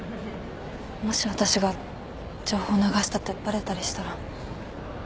もし私が情報流したってバレたりしたら。